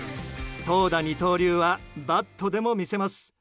投打二刀流はバットでも見せます。